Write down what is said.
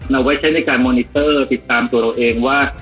เอาไว้ใช้ในการมอนิเตอร์ติดตามตัวเราเองว่า